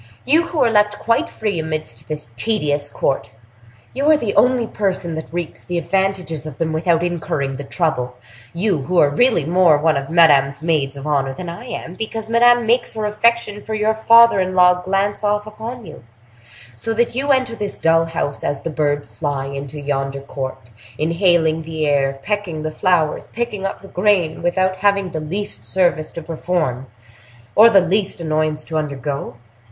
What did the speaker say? —you, who are left quite free amidst this tedious court. You are the only person that reaps the advantages of them without incurring the trouble,—you, who are really more one of Madame's maids of honor than I am, because Madame makes her affection for your father in law glance off upon you; so that you enter this dull house as the birds fly into yonder court, inhaling the air, pecking the flowers, picking up the grain, without having the least service to perform, or the least annoyance to undergo.